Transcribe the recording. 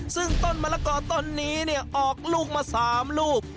ซึ่งต้นมะละกอต้นนี้เนี่ยออกลูกมา๓ลูก